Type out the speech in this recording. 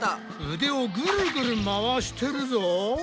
うでをぐるぐる回してるぞ。